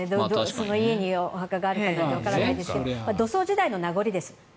その家にお墓があるかってわからないですけど土葬時代の名残です。